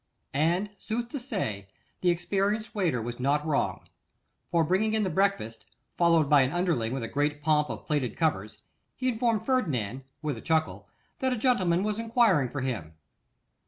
And sooth to say, the experienced waiter was not wrong. For bringing in the breakfast, followed by an underling with a great pomp of plated covers, he informed Ferdinand with a chuckle, that a gentleman was enquiring for him.